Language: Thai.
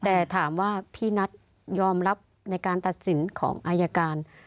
แต่ถามว่าพี่นัทยอมรับในการตัดสินของอายการ